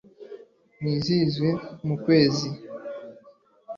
muwizihize mu kwezi